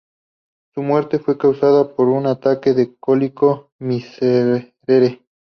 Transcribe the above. Su muerte fue causada por un ataque de cólico miserere.